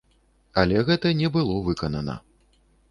Але гэта не было выканана.